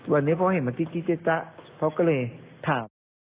วันนี้เพราะเห็นมันจิ๊ดเพราะก็เลยถาม